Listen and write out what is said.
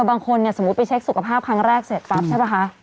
บางคนเนี่ยสมมุติไปเช็คสุขภาพครั้งแรกเสร็จปั๊บใช่ป่ะคะ